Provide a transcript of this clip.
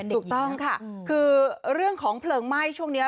ถูกต้องค่ะคือเรื่องของเพลิงไหม้ช่วงนี้